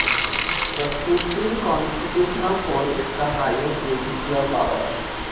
The Supreme Constitutional Court is the highest judicial power.